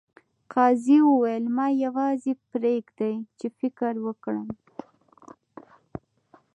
قاضي وویل ما یوازې پریږدئ چې فکر وکړم.